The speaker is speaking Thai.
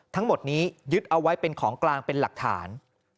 ทั้งหมดนี้ยึดเอาไว้เป็นของกลางเป็นหลักฐาน